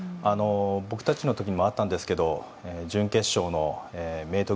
僕たちの時もあったんですけど準決勝の明徳